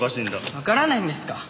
わからないんですか？